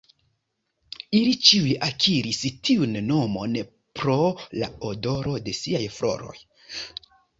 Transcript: Ili ĉiuj akiris tiun nomon pro la odoro de siaj floroj.